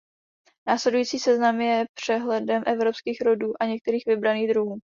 Následující seznam je přehledem evropských rodů a některých vybraných druhů.